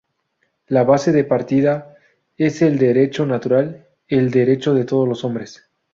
La base de partida es el derecho natural, el derecho de todos los hombres.